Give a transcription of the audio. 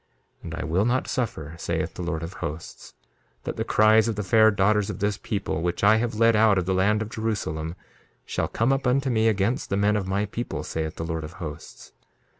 2:32 And I will not suffer, saith the Lord of Hosts, that the cries of the fair daughters of this people, which I have led out of the land of Jerusalem, shall come up unto me against the men of my people, saith the Lord of Hosts.